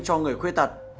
cho người khuê tật